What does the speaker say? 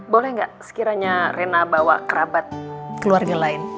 boleh gak sekiranya reina bawa kerabat keluarga lain